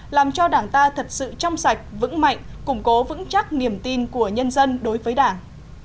làm cho đảng ta thật sự trong sạch vững mạnh củng cố vững chắc niềm tin của nhân dân đối với đảng